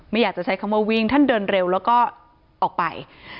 อยากจะใช้คำว่าวิ่งท่านเดินเร็วแล้วก็ออกไป